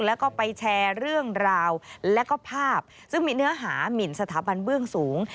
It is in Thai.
แล้วก็ไปแชร์เรื่องราวและก็ภาพซึ่งมีเนื้อหามินสถาบันเบื้องสูง